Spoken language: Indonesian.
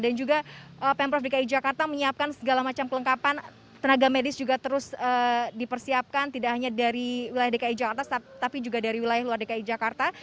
juga pemprov dki jakarta menyiapkan segala macam kelengkapan tenaga medis juga terus dipersiapkan tidak hanya dari wilayah dki jakarta tapi juga dari wilayah luar dki jakarta